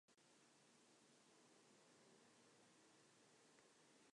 In the future, he wound up marrying Flamingo.